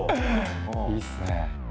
いいっすね。